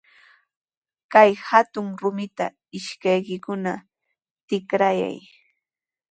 Kay hatun rumita ishkaykikuna tikrayay.